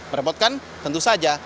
merepotkan tentu saja